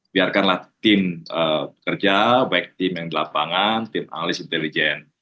biarkanlah tim kerja baik tim yang di lapangan tim analis intelijen